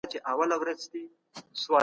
مرستې ته ورسئ.